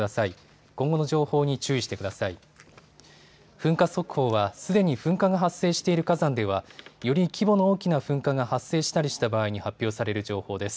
噴火速報は、すでに噴火が発生している火山ではより規模の大きな噴火が発生したりした場合に発表される情報です。